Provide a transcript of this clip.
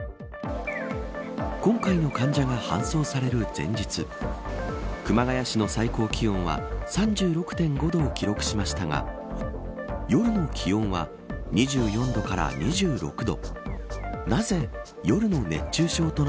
今回の患者が搬送される前日熊谷市の最高気温は３６．５度を記録しましたが夜の気温は２４度から２６度。